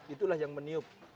itulah yang meniup